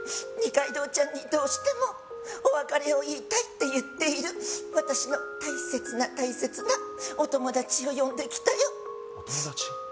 ニカイドウちゃんにどうしてもお別れを言いたいって言っている私の大切な大切なお友達を呼んできたよお友達？